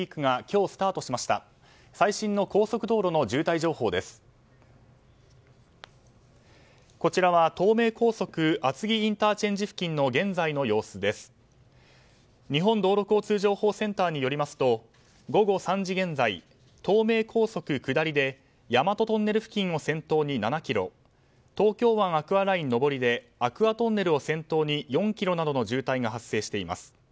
日本道路交通情報センターによりますと午後３時現在、東名高速下りで大和トンネル付近を先頭に７ｋｍ東京湾アクアライン上りでアクアトンネルを先頭に４ｋｍなどの渋滞が発生しています。